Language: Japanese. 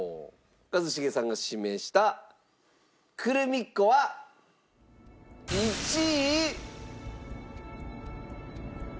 一茂さんが指名したクルミッ子は１位。